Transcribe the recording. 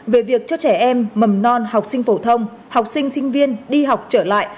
về việc cho trẻ em mầm non học sinh phổ thông học sinh sinh viên đi học trở lại